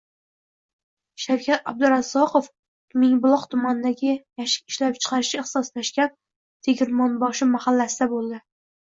Shavkat Abdurazzoqov Mingbuloq tumanidagi yashik ishlab chiqarishga ixtisoslashgan “Tegirmonboshi” mahallasida bo‘ldi